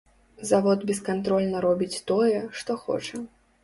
Завод бескантрольна робіць тое, што хоча.